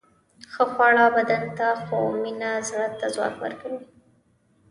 ښه خواړه بدن ته، خو مینه زړه ته ځواک ورکوي.